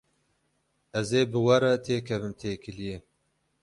Ez ê bi we re têkevim têkiliyê.